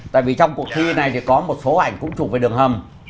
tại vì trong cuộc thi này thì có một số ảnh cũng chụp về đường hầm